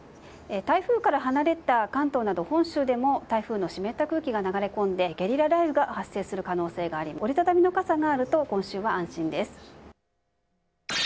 台風から離れた関東など本州でも台風の湿った空気が流れ込んでゲリラ雷雨が発生する可能性があり折り畳みの傘があると今週は安心です。